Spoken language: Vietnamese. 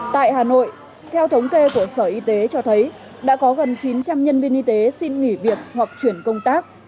tại hà nội theo thống kê của sở y tế cho thấy đã có gần chín trăm linh nhân viên y tế xin nghỉ việc hoặc chuyển công tác